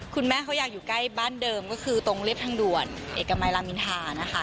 คุณแม่เขาอยากอยู่ใกล้บ้านเดิมก็คือตรงเรียบทางด่วนเอกมัยรามินทานะคะ